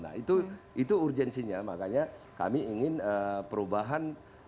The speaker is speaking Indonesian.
nah itu urgensinya makanya kami ingin perubahan